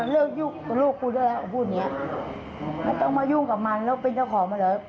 เสื่อมเสียชื่อเสียชื่อเสียงก็เลยต้องไปแจ้งความเพราะว่ารับไม่ได้ที่อีกฝ่ายนึงมากระทำลูกสาวแม่อยู่ฝ่ายเดียวค่ะ